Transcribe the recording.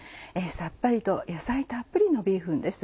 さっぱりと野菜たっぷりのビーフンです。